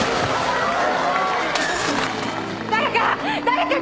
誰か！